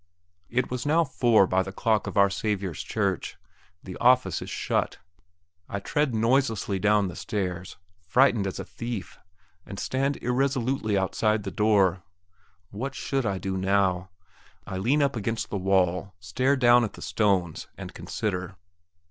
It was now four by the clock of Our Saviour's Church. The office is shut. I stead noiselessly down the stairs, frightened as a thief, and stand irresolutely outside the door. What should I do now? I lean up against the wall, stare down at the stones, and consider.